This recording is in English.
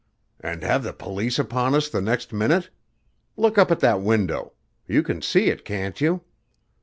"And have the police upon us the next minute? Look up at that window. You can see it, can't you?"